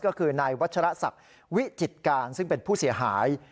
ก็คือนายวัชรศักดิ์วิจิตการซึ่งเป็นผู้เสียหาย